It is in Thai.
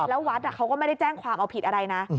แล้ววัดเขาก็ไม่ได้แจ้งความเอาผิดอะไรนะ